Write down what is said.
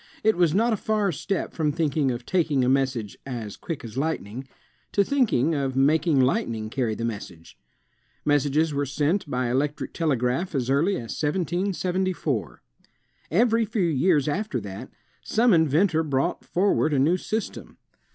It was not a far step from thinking of taking a message as "quick as light ning," to thinking of making lightning carry the message. Messages were sent by electric telegraph as early as 1774. Every few years after that, some inventor brought for ward a new system.